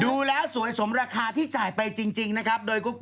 ดูแล้วสวยสมราคาที่จ่ายไปจริงนะครับโดยกรุ๊ปกิ๊บ